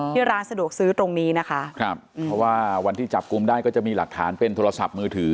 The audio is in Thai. ร้านสะดวกซื้อตรงนี้นะคะครับเพราะว่าวันที่จับกลุ่มได้ก็จะมีหลักฐานเป็นโทรศัพท์มือถือ